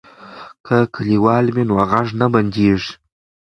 که کلیوال وي نو غږ نه بندیږي.